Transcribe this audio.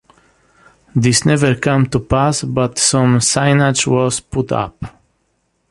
This never came to pass, but some signage was put up.